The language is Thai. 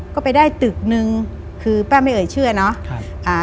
ก็ไปได้ตึกนึงคือป้าเมย์เอ๋ยเชื่อเนอะ